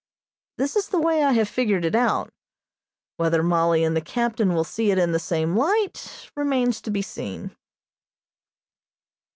This is the way I have figured it out; whether Mollie and the Captain will see it in the same light remains to be seen.